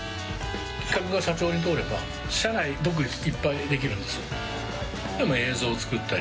企画が社長に通れば社内独立いっぱいできるんですよ。